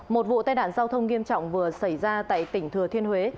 một vụ tai nạn giao thông nghiêm trọng vừa xảy ra tại tỉnh thừa thiên huế